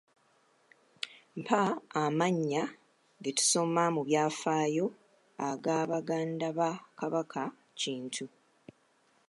Mpa amannya ge tusoma mu byafaayo aga baganda ba Kabaka Kintu